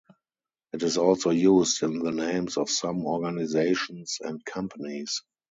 It is also used in the names of some organisations and companies.